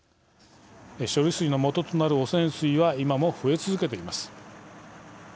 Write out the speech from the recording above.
処理水の元となる汚染水は今も増え続けています。